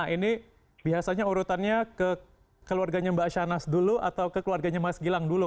nah ini biasanya urutannya ke keluarganya mbak shanas dulu atau ke keluarganya mas gilang dulu